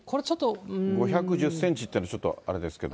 ５１０センチっていうのちょっとあれですけど。